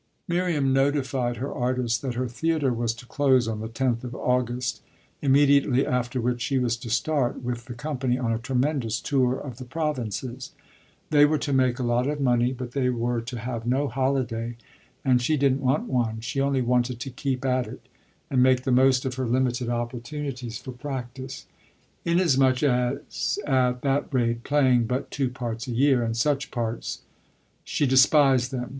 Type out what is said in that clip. Miriam notified her artist that her theatre was to close on the tenth of August, immediately after which she was to start, with the company, on a tremendous tour of the provinces. They were to make a lot of money, but they were to have no holiday, and she didn't want one; she only wanted to keep at it and make the most of her limited opportunities for practice; inasmuch as at that rate, playing but two parts a year and such parts: she despised them!